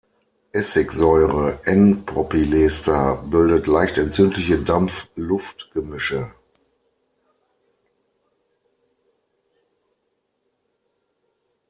Essigsäure-"n"-propylester bildet leicht entzündliche Dampf-Luft-Gemische.